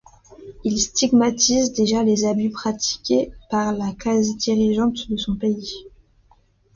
Il stigmatise déjà les abus pratiqués par la classe dirigeante de son pays.